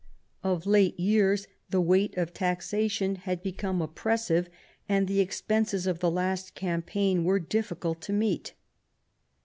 Of late years the weight of taxation had become oppressive, and the expenses of the last campaign were difficult to meet.